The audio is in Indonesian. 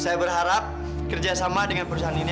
saya berharap kerja sama dengan perusahaan ini